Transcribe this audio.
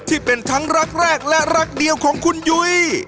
ที่เป็นทั้งรักแรกและรักเดียวของคุณยุ้ย